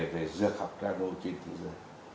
về dược học nano trên thế giới